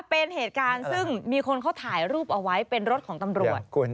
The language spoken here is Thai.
เป็นเหตุการณ์ซึ่งมีคนเขาถ่ายรูปเอาไว้เป็นรถของตำรวจ